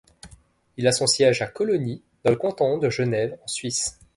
Il a son siège à Cologny, dans le canton de Genève, en Suisse.